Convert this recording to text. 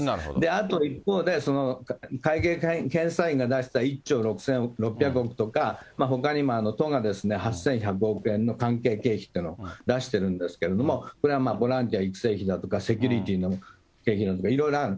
あと、一方で、会計検査院が出した１兆６６００億とか、ほかにも都が８１００億円の関係経費というのを出してるんですけれども、これはもうボランティア育成費だとかセキュリティーの経費だとか、いろいろある。